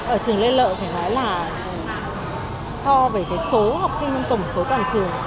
ở trường lê lợ phải nói là so với số học sinh trong tổng số toàn trường